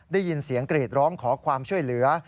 ได้ยินเสียงกรีดร้องขอความช่วยเหลือ